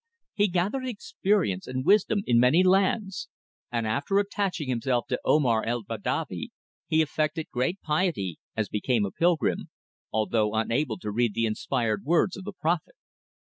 He gathered experience and wisdom in many lands, and after attaching himself to Omar el Badavi, he affected great piety (as became a pilgrim), although unable to read the inspired words of the Prophet.